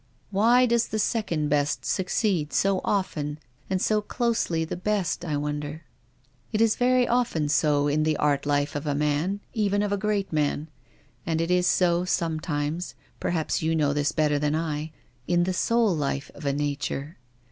" Why does the second best succeed so often and so closely the best, I wonder?" he said. " It is very often so in the art life of a man, even of a great man. And it is so sometimes — perhaps you know this better than I — in the soul life of a na ture.